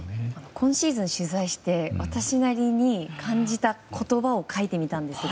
今シーズン取材して私なりに感じた言葉を書いてみましたが